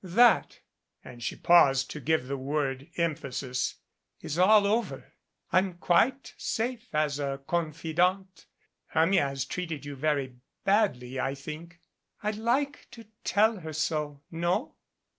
That " and she paused to give the word emphasis, "is all over. I'm quite safe as a confidante. Hermia has treated you very badly, I think. 287 MADCAP I'd like to tell her so No?